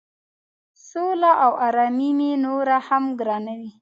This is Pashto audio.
سوله او آرامي نوره هم ګرانوي.